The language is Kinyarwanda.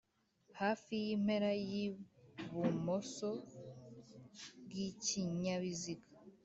Hafi y’impera y’ibumoso bw’ikinyabiziga